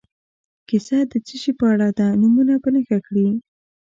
کیسه د څه شي په اړه ده نومونه په نښه کړي.